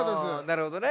なるほどね。